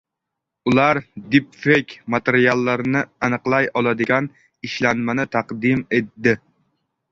Ular “dipfeyk” materiallarni aniqlay oladigan ishlanmani taqdim etdi